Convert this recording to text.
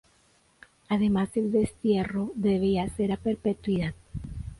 Además el destierro debía ser a perpetuidad.